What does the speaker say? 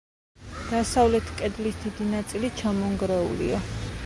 დასავლეთ კედლის დიდი ნაწილი ჩამონგრეულია.